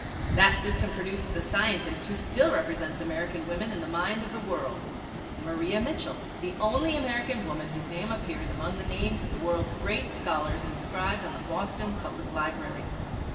That system produced the scientist, who still represents American women in the mind of the world, Maria Mitchell, the only American woman whose name appears among the names of the world's great scholars inscribed on the Boston Public Library.